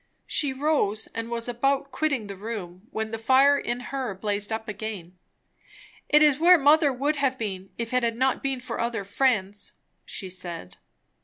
She rose, and was about quitting the room, when the fire in her blazed up again. "It is where mother would have been, if it had not been for other friends," she said.